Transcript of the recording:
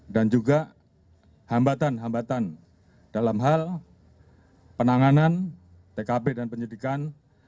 dan juga hambatan hambatan dalam hal penanganan tkp dan penyidikan